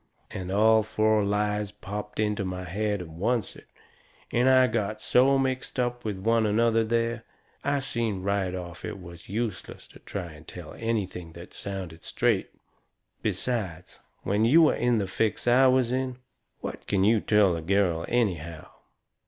And all four lies popped into my head at oncet, and got so mixed up with one another there, I seen right off it was useless to try to tell anything that sounded straight. Besides, when you are in the fix I was in, what can you tell a girl anyhow?